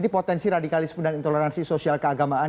ini potensi radikalisme dan intoleransi sosial keagamaan